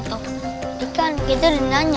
itu kan itu udah ditanya